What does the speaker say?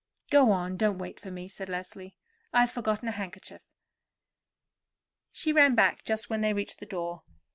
"Go on; don't wait for me," said Leslie. "I have forgotten a handkerchief." She ran back just when they reached the door.